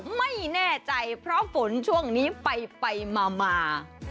ไม่แน่ใจเพราะฝนช่วงนี้ไปมา